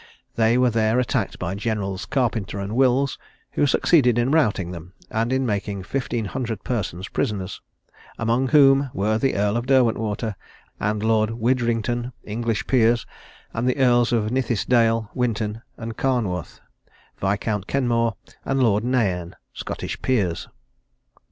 They were there attacked by Generals Carpenter and Wills, who succeeded in routing them, and in making 1500 persons prisoners; amongst whom were the Earl of Derwentwater and Lord Widrington, English peers; and the Earls of Nithisdale, Winton, and Carnwarth, Viscount Kenmore, and Lord Nairn, Scotch peers.